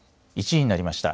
１時になりました。